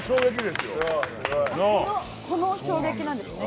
この衝撃なんですね。